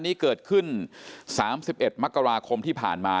คือสิ่งที่เราติดตามคือสิ่งที่เราติดตาม